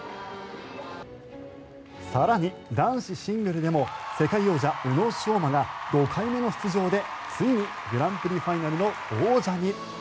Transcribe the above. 更に男子シングルでも世界王者、宇野昌磨が５回目の出場で、ついにグランプリファイナルの王者に。